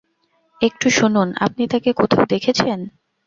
একটু শুনুন, আপনি তাকে কোথাও দেখেছেন?